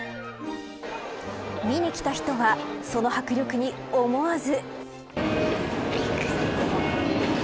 見に来た人はその迫力に思わず。